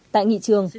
tại nghị trường